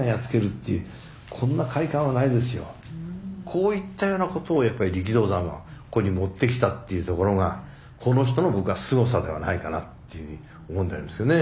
こういったようなことをやっぱり力道山はここに持ってきたっていうところがこの人の僕はすごさではないかなっていうふうに思うんでありますよね。